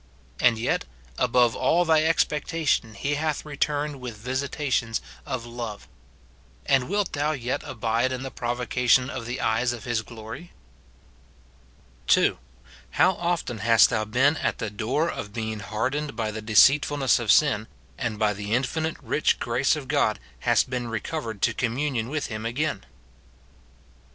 and yet, above all thy expectation, he hath re 252 MORTIFICATION OP turned with visitations of love. And wilt thou yet abide in the provocation of the eyes of his glory ? (2.) How often hast thou been at the door of being hardened by the deceitfulness of sin, and by the infinite rich grace of God hast been recovered to communion with him again